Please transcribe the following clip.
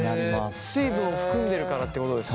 水分を含んでるからってことですね？